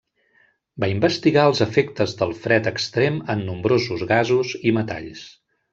Va investigar els efectes del fred extrem en nombrosos gasos i metalls.